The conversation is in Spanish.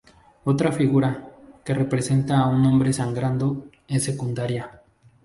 Otra figura, que representa a un hombre sangrando, es secundaria.